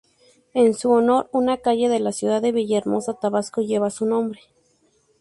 En su honor, una calle de la ciudad de Villahermosa, Tabasco, lleva su nombre.